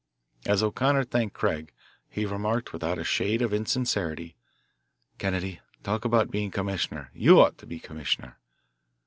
As O'Connor thanked Craig, he remarked without a shade of insincerity, "Kennedy, talk about being commissioner, you ought to be commissioner."